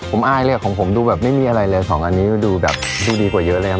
ผมอายเลยของผมดูแบบไม่มีอะไรเลยสองอันนี้ก็ดูแบบดูดีกว่าเยอะเลยครับ